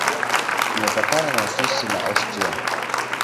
Imepakana na Uswisi na Austria.